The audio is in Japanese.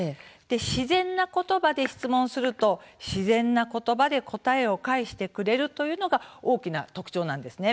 自然な言葉で質問をすると自然な言葉で答えを返してくれるというのが大きな特徴なんです。